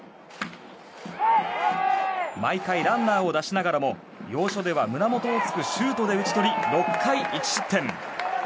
毎回ランナーを出しながらも要所では胸元を突くシュートで打ち取り６回１失点。